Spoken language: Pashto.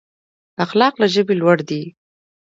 اخلاق له ژبې لوړ دي.